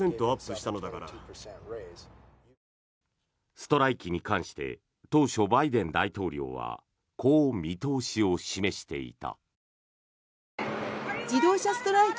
ストライキに関して当初、バイデン大統領はこう見通しを示していた。